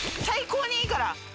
最高にいいから！